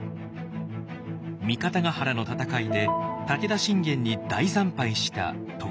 三方ヶ原の戦いで武田信玄に大惨敗した徳川家康。